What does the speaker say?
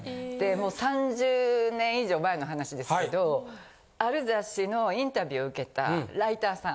３０年以上前の話ですけどある雑誌のインタビューを受けたライターさん。